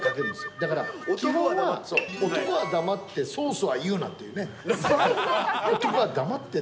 だから基本は、男は黙ってソースは言うなっていうね。